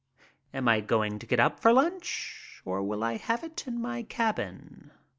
Am I going to get up for lunch or will I have it in my cabin?